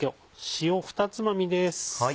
塩二つまみです。